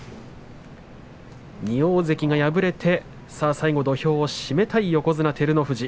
２大関が敗れてさあ最後、土俵を締めたい横綱照ノ富士。